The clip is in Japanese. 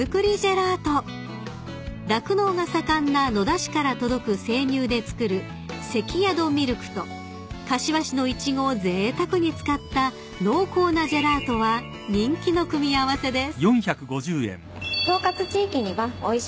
［酪農が盛んな野田市から届く生乳で作るせきやどミルクと柏市のイチゴをぜいたくに使った濃厚なジェラートは人気の組み合わせです］